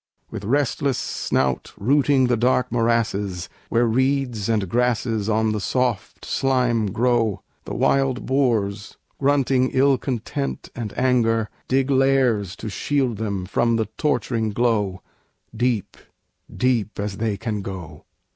With restless snout rooting the dark morasses, Where reeds and grasses on the soft slime grow, The wild boars, grunting ill content and anger, Dig lairs to shield them from the torturing glow, Deep, deep as they can go.